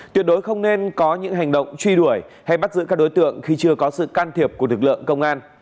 tuyệt đối không nên có những hành động truy đuổi hay bắt giữ các đối tượng khi chưa có sự can thiệp của lực lượng công an